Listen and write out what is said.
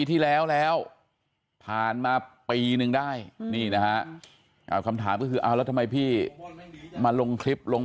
ที่แล้วแล้วผ่านมาปีนึงได้คำถามคือทำไมพี่มาลงคลิปลง